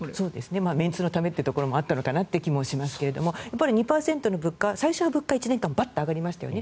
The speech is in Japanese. メンツのためというところもあったのかなという気もしますが２％の物価最初は物価１年間、バッと上がりましたよね